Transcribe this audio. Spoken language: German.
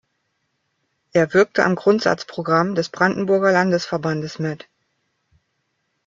Er wirkte am Grundsatzprogramm des Brandenburger Landesverbandes mit.